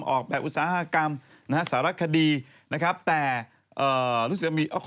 ออกแบบอุตสาหกรรมสารคดีแต่รู้สึกจะมี